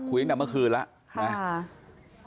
คุยตั้งแต่เมื่อคืนแล้ว